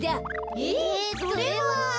えそれは。